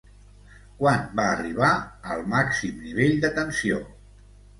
Quan va arribar al màxim nivell de tensió?